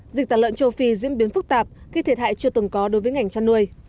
dịch tả lợn châu phi diễn biến phức tạp gây thiệt hại chưa từng có đối với ngành chăn nuôi